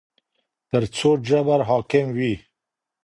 تر څو جبر حاکم وي